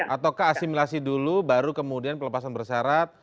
atau ke asimilasi dulu baru kemudian pelepasan bersyarat